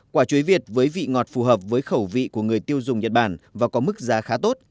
quả chuối việt với vị ngọt phù hợp với khẩu vị của người tiêu dùng nhật bản và có mức giá khá tốt